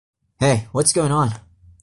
Hey, what's going on?